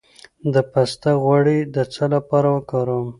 د پسته غوړي د څه لپاره وکاروم؟